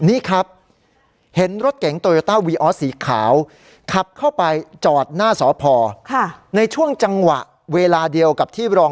นี่ครับเห็นรถเก๋งสีขาวครับเข้าไปจอดหน้าค่ะ